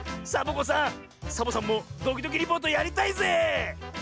サボ子さんサボさんも「ドキドキリポート」やりたいぜえ！